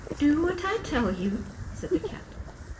" Do what I tell you," said the cat.